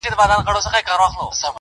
o دښمن څه وايي، چي ئې زړه وايي٫